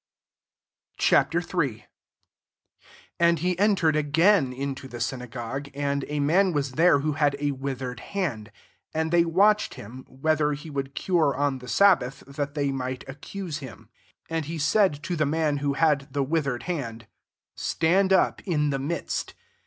Ch. III. 1 AND he entered again into the synagogue ; and a man was there who had a with ered hand. 2 And they watch* ed him, whether he would cure on the sabbath ; that they might accuse him. 3 And he said to the man who had the withered hand, ^ Stand up in the midst.